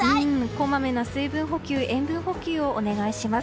こまめな水分補給塩分補給をお願いします。